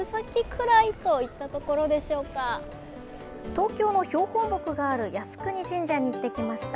東京の標本木がある靖国神社に行ってきました。